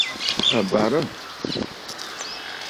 A barə̂!